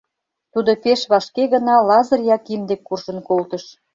Тудо пеш вашке гына Лазыр Яким дек куржын колтыш.